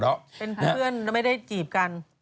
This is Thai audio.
เป็นเพื่อนแล้วไม่ได้จีบกัน